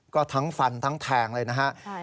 ก็ทั้งฟันทั้งแทงเลยนะครับ